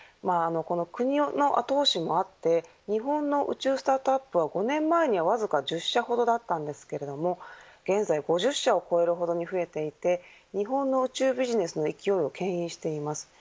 国の後押しもあって日本の宇宙スタートアップは５年前にはわずか１０社ほどだったんですけれど現在、５０社を超えるほどに増えていて日本の宇宙ビジネスの勢いをけん引しています。